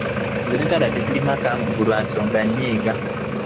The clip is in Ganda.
Nze ne taata tetulima kambugu lwa nsonga nnnnnyingi.